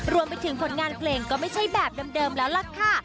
รวมไปถึงผลงานเพลงก็ไม่ใช่แบบเดิมแล้วล่ะค่ะ